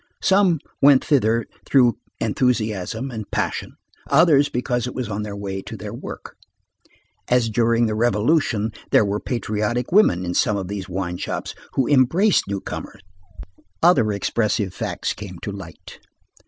Some went thither through enthusiasm and passion; others because it was on their way to their work. As during the Revolution, there were patriotic women in some of these wine shops who embraced newcomers. Other expressive facts came to light.